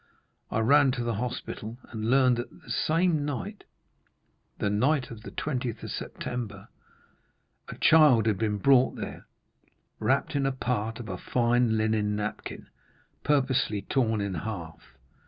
"I ran to the hospital, and learned that the same night—the night of the 20th of September—a child had been brought there, wrapped in part of a fine linen napkin, purposely torn in half.